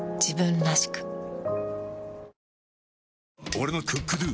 俺の「ＣｏｏｋＤｏ」！